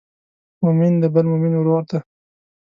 مؤمن د بل مؤمن ورور دی.